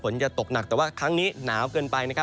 จะตกหนักแต่ว่าครั้งนี้หนาวเกินไป